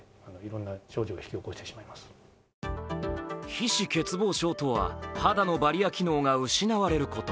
皮脂欠乏症とは、肌のバリア機能が失われること。